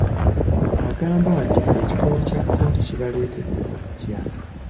Agamba nti ekikolwa kya kkooti kibaleetedde okutya.